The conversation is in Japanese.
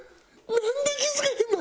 なんで気付けへんの？